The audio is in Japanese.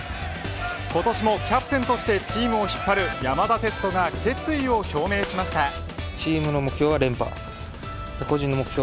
今年もキャプテンとしてチームを引っ張る山田哲人が決意を表明しました。